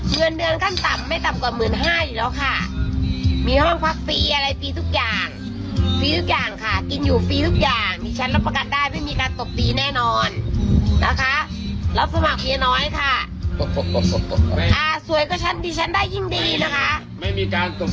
เงินเดือนขั้นต่ำไม่ต่ำกว่าหมื่นห้าอยู่แล้วค่ะ